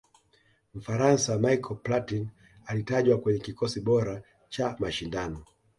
mfaransa michael platin alitajwa kwenye kikosi bora cha mashindano